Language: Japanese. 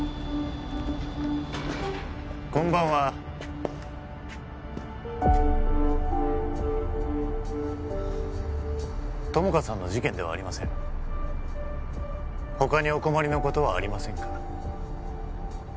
こんばんは友果さんの事件ではありません他にお困りのことはありませんか？